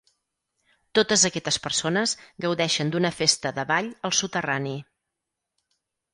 Totes aquestes persones gaudeixen d'una festa de ball al soterrani.